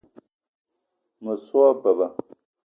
Me so wa beba